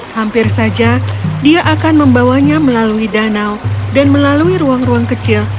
hampir saja dia akan membawanya melalui danau dan melalui ruang ruang kecil